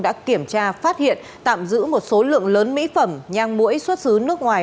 đã kiểm tra phát hiện tạm giữ một số lượng lớn mỹ phẩm nhang mũi xuất xứ nước ngoài